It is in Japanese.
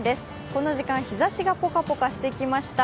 この時間、日ざしがぽかぽかしてきました。